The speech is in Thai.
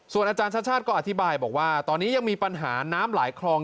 อาจารย์ชาติชาติก็อธิบายบอกว่าตอนนี้ยังมีปัญหาน้ำหลายคลอง